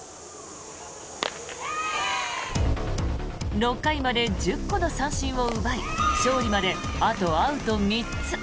６回まで１０個の三振を奪い勝利まで、あとアウト３つ。